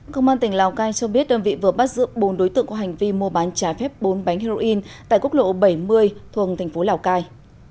công an tỉnh lào cai cho biết đơn vị vừa bắt giữ bốn đối tượng có hành vi mua bán trái phép bốn bánh heroin tại quốc lộ bảy mươi thuồng thành phố lào cai